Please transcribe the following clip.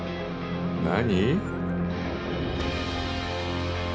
何？